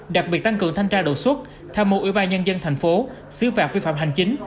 đặc biệt tăng cường thanh tra đột xuất tham mưu ủy ban nhân dân thành phố xứ phạt vi phạm hành chính